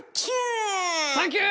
サンキュー！